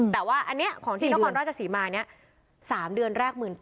แต่ว่าอันนี้ของที่นครราชศรีมาเนี่ย๓เดือนแรก๑๘๐๐